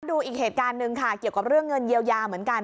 ดูอีกเหตุการณ์หนึ่งค่ะเกี่ยวกับเรื่องเงินเยียวยาเหมือนกัน